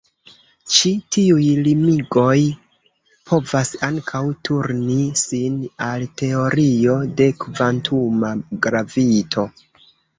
Ĉi tiuj limigoj povas ankaŭ turni sin al teorio de kvantuma gravito.